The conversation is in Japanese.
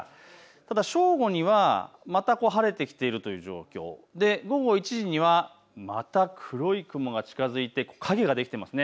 ただ正午にはまた晴れてきているという状況で午後１時にはまた黒い雲が近づいて影ができていますね。